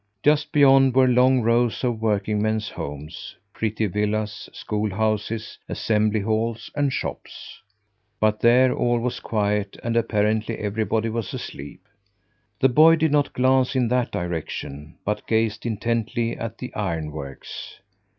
Just beyond were long rows of workingmen's homes, pretty villas, schoolhouses, assembly halls, and shops. But there all was quiet and apparently everybody was asleep. The boy did not glance in that direction, but gazed intently at the ironworks.